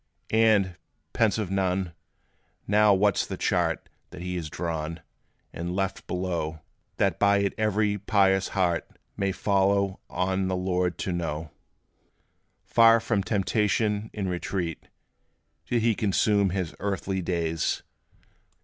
And, pensive Nun, now what 's the chart That he has drawn, and left below, That by it every pious heart May follow on the Lord to know? Far from temptation, in retreat, Did he consume his earthly days?